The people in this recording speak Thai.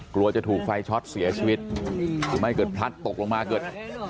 กลัวจะถูกไฟช็อตเสียชีวิตหรือไม่เกิดพลัดตกลงมาเกิด